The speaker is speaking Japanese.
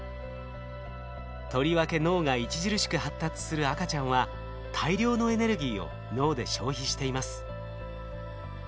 とりわけ脳が著しく発達する赤ちゃんは大量のエネルギーを脳で消費しています。